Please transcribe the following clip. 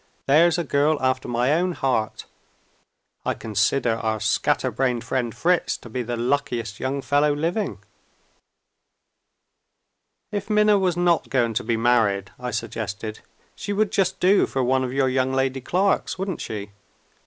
There's a girl after my own heart. I consider our scatter brained friend Fritz to be the luckiest young fellow living." "If Minna was not going to be married," I suggested, "she would just do for one of your young lady clerks, wouldn't she?"